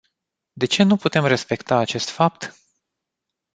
De ce nu putem respecta acest fapt?